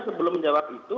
sebelum menjawab itu